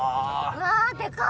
うわ！でかっ！